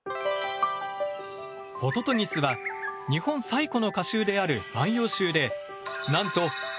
ホトトギスは日本最古の歌集である「万葉集」でなんと１５０首以上も詠まれている。